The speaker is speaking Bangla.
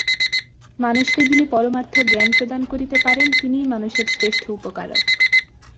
মানুষকে যিনি পরমার্থ-জ্ঞান প্রদান করিতে পারেন, তিনিই মানুষের শ্রেষ্ঠ উপকারক।